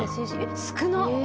少なっ！